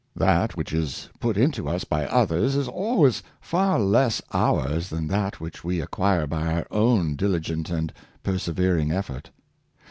That which is put into us by others is always far less ours than that which we acquire by our own diligent and persevering effort.